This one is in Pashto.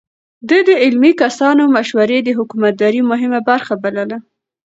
ده د علمي کسانو مشورې د حکومتدارۍ مهمه برخه بلله.